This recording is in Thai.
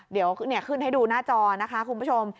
เดี๋ยวขึ้นให้ดูหน้าจอนะคะคุณผู้ชม